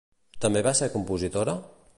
També va ser compositora?